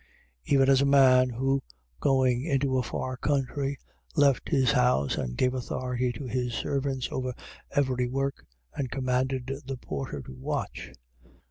13:34. Even as a man who, going into a far country, left his house and gave authority to his servants over every work and commanded the porter to watch.